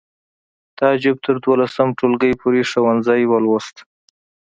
تعجب تر دولسم ټولګي پورې ښوونځی ولوست